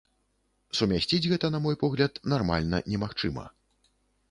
Сумясціць гэта, на мой погляд, нармальна немагчыма.